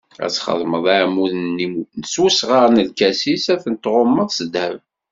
Ad txedmeḍ iɛmuden-nni s wesɣar n lkasis, ad ten-tɣummeḍ s ddheb.